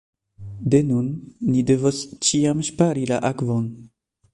De nun, ni devos ĉiam ŝpari la akvon.